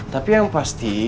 tapi yang pasti